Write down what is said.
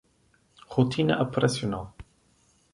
Rotina operacional